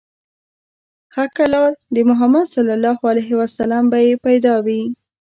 حقه لار د محمد ص به يې پيدا وي